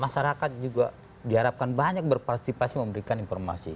masyarakat juga diharapkan banyak berpartisipasi memberikan informasi